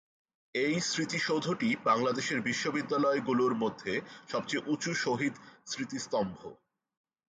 এই স্মৃতিসৌধটি বাংলাদেশের বিশ্ববিদ্যালয়গুলোর মধ্যে সবচেয়ে উচু শহীদ স্মৃতিস্তম্ভ।